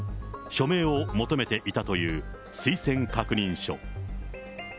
署名を求めていたという推薦確認書。